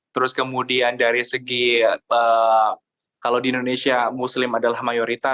terus kemudian dari segi kalau di indonesia muslim adalah mayoritas